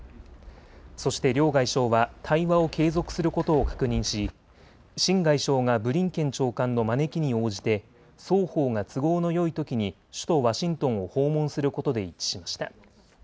そして両外相は対話を継続することを確認し秦外相がブリンケン長官の招きに応じて双方が都合のよいときに首都ワシントンを訪問することで一致しました。